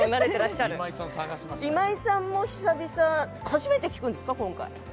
今井さんも、初めて聴くんですか今回。